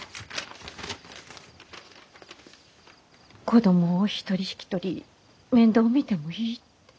子供を１人引き取り面倒を見てもいいって。